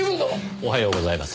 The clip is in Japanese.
おはようございます。